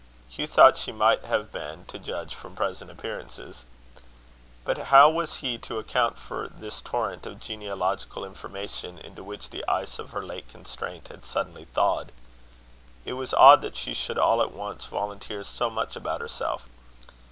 Hugh thought she might have been, to judge from present appearances. But how was he to account for this torrent of genealogical information, into which the ice of her late constraint had suddenly thawed? It was odd that she should all at once volunteer so much about herself.